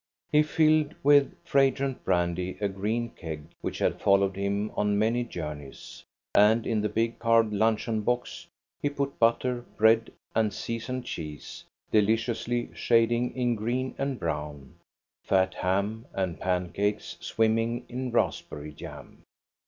He filled with fragrant brandy a green keg, which had followed him on many journeys, and in the big carved luncheon box he put butter, bread, and seasoned cheese, deli ciously shading in green and brown, fat ham, and pan cakes swimming in raspberry jam.